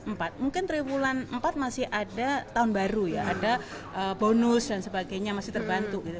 empat mungkin triwulan empat masih ada tahun baru ya ada bonus dan sebagainya masih terbantu gitu